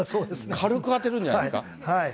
軽く当てるんじゃないですか。